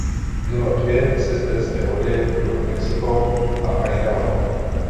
Měla dvě sesterské lodě New Mexico a Idaho.